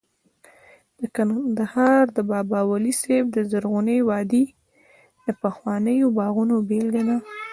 د کندهار د بابا ولی صاحب د زرغونې وادۍ د پخوانیو باغونو بېلګه ده